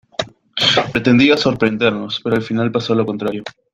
Pretendía sorprendernos, pero al final pasó lo contrario.